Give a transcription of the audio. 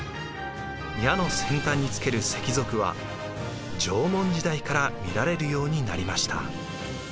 矢の先端につける石鏃は縄文時代から見られるようになりました。